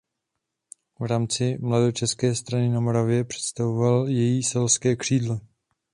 V rámci mladočeské strany na Moravě představoval její selské křídlo.